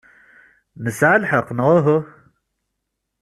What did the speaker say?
Nesɛa lḥeqq, neɣ uhu?